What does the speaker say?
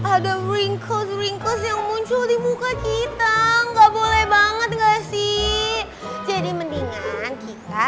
ada wingkos winkos yang muncul di muka kita nggak boleh banget nggak sih jadi mendingan kita